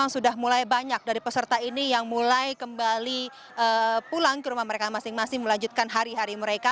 sudah mulai banyak dari peserta ini yang mulai kembali pulang ke rumah mereka masing masing melanjutkan hari hari mereka